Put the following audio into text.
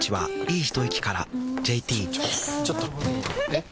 えっ⁉